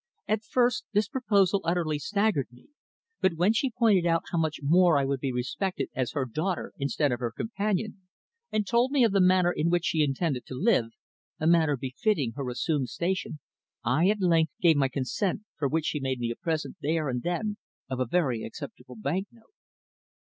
At first this proposal utterly staggered me, but when she pointed out how much more I would be respected as her daughter instead of her companion, and told me of the manner in which she intended to live a manner befitting her assumed station I at length gave my consent, for which she made me a present there and then of a very acceptable bank note."